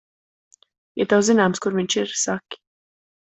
Ja tev zināms, kur viņš ir, saki.